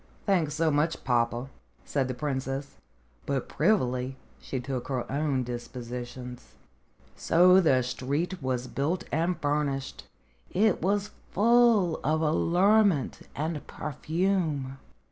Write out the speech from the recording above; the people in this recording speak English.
"Thanks so much, papa," said the princess. But, privily, she took her own dispositions. So the street was built and furnished. It was full of allurement and perfume.